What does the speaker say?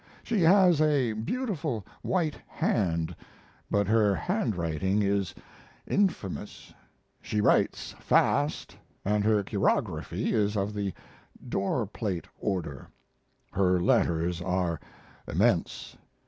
She has a beautiful white hand, but her handwriting is infamous; she writes fast and her chirography is of the door plate order her letters are immense.